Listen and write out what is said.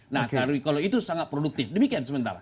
nah kalau itu sangat produktif demikian sementara